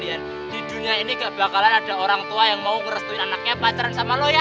di dunia ini gak bakalan ada orang tua yang mau ngerestuin anaknya pacaran sama lo ya